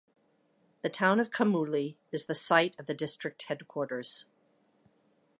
The town of Kamuli is the site of the district headquarters.